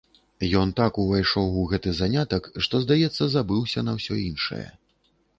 Ён так увайшоў у гэты занятак, што, здаецца, забыўся на ўсё іншае.